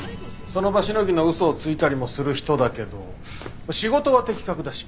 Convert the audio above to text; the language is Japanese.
その場しのぎの嘘をついたりもする人だけど仕事は的確だし。